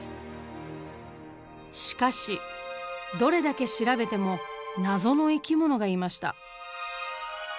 しかしどれだけ調べても謎の生き物がいました。